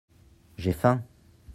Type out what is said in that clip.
J'ai faim.